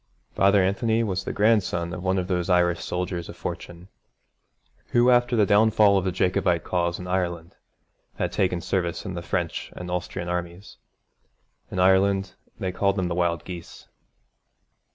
Father Anthony was the grandson of one of those Irish soldiers of fortune who, after the downfall of the Jacobite cause in Ireland, had taken service in the French and Austrian armies. In Ireland they called them the Wild Geese.